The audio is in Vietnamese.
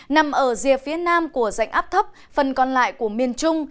nằm ở rìa phía nam của dạnh áp thấp phần còn lại của miền trung